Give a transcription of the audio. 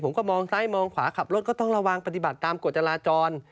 ผมต้องขวาขับรถก็ต้องระวังปฏิบัติตามกฎจราจร